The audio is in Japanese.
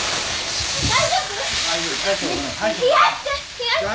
冷やして！